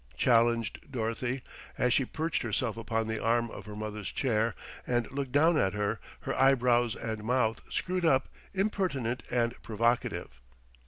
challenged Dorothy as she perched herself upon the arm of her mother's chair and looked down at her, her eyebrows and mouth screwed up, impertinent and provocative.